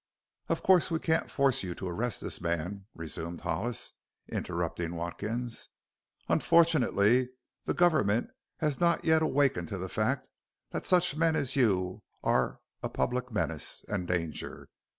"Of course we can't force you to arrest this man," resumed Hollis, interrupting Watkins. "Unfortunately the government has not yet awakened to the fact that such men as you are a public menace and danger.